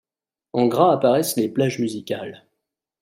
En gras apparaissent les plages musicales.